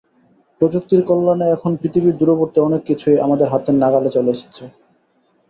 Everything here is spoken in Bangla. প্রযুক্তির কল্যাণে এখন পৃথিবীর দূরবর্তী অনেক কিছুই আমাদের হাতের নাগালে চলে এসেছে।